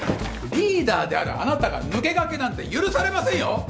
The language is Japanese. リーダーであるあなたが抜け駆けなんて許されませんよ。